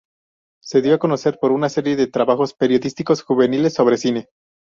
Se dio a conocer por una serie de trabajos periodísticos juveniles sobre cine.